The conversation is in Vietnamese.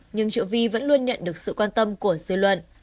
nhưng triệu vi vẫn luôn nhận được sự quan tâm của dư luận